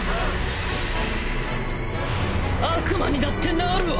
悪魔にだってなるわ！